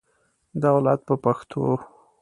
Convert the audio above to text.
دولت په پښتو.